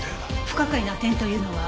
不可解な点というのは？